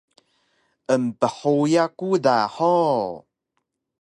Emphuya ku da hug?